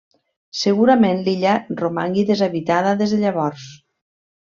Segurament l'illa romangui deshabitada des de llavors.